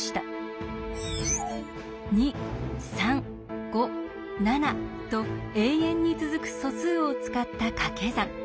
２３５７と永遠に続く素数を使った掛け算。